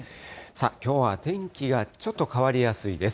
きょうは天気がちょっと変わりやすいです。